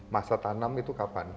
masa tanam itu kapan